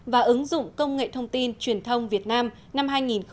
và ứng dụng công nghệ thông tin truyền thông việt nam năm hai nghìn một mươi sáu